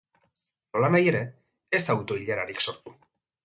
Nolanahi ere, ez da auto-ilararik sortu.